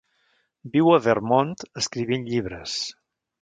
Viu a Vermont escrivint llibres.